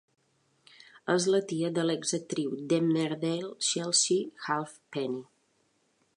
És la tia de l'exactriu d'"Emmerdale" Chelsea Halfpenny.